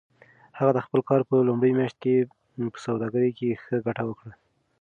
هغه د خپل کار په لومړۍ میاشت کې په سوداګرۍ کې ښه ګټه وکړه.